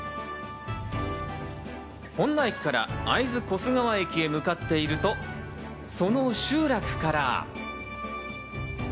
本名駅から会津越川駅へ向かっていると、その集落から。